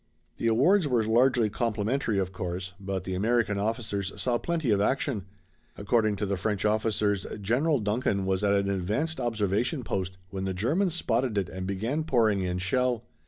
The awards were largely complimentary, of course, but the American officers saw plenty of action. According to the French officers General Duncan was at an advanced observation post when the Germans spotted it and began pouring in shell.